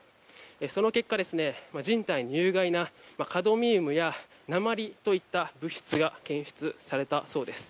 その結果、人体に有害なカドミウムや鉛といった物質が検出されたそうです。